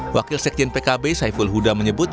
wakil sekjen pkb saiful huda menyebut